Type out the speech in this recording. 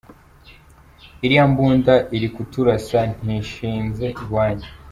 Iriya mbunda iri kuturasa ntishinze iwanyu?